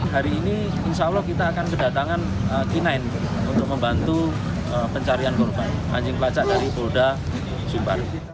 hari ini insya allah kita akan kedatangan k sembilan untuk membantu pencarian korban anjing pelacak dari polda sumbari